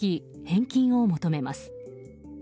返金を求めます。